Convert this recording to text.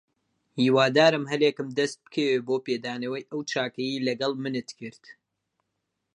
هیوادارم هەلێکم دەست بکەوێت بۆ پێدانەوەی ئەو چاکەیەی لەگەڵ منت کرد.